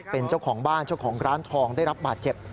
เป็นเจ้าของบ้านเจ้าของร้านทองได้รับบาดเจ็บ